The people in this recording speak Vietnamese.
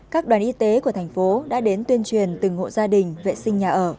các đoàn y tế của thành phố đã đến tuyên truyền từng hộ gia đình vệ sinh nhà ở